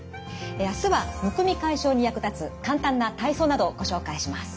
明日はむくみ解消に役立つ簡単な体操などをご紹介します。